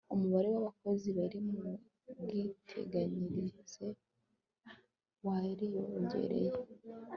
umubare w'abakozi bari mu bwiteganyirize wariyongereye